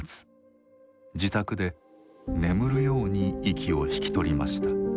自宅で眠るように息を引き取りました。